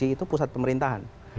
itu pusat pemerintahan